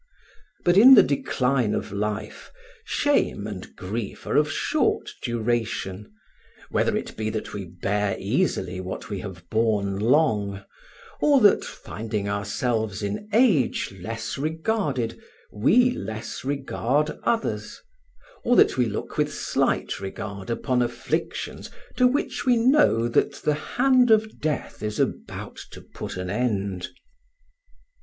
But in the decline of life, shame and grief are of short duration: whether it be that we bear easily what we have borne long; or that, finding ourselves in age less regarded, we less regard others; or that we look with slight regard upon afflictions to which we know that the hand of death is about to put an end.